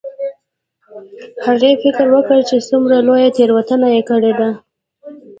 هغې فکر وکړ چې څومره لویه تیروتنه یې کړې ده